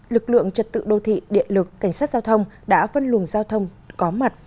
lực lượng trật tự đô thị điện lực cảnh sát giao thông đã phân luồng giao thông có mặt